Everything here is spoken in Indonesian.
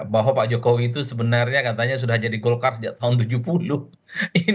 bahwa pak jokowi itu sebenarnya katanya sudah jadi golkar tahun dua ribu tujuh belas